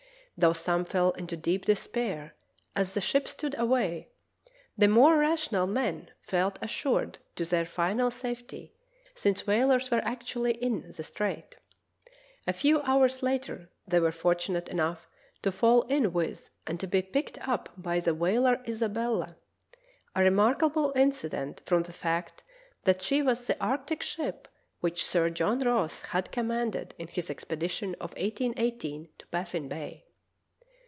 Though some fell into deep despair as the ship stood away, the more rational men felt as sured of their final safety, since whalers were actually in the strait. A few hours later they were fortunate enough to fall in with and to be picked up by the whaler Isabella^ a remarkable incident from the fact that she was the arctic ship which Sir John Ross had commanded in his expedition of 181 8 to Baffin Bay.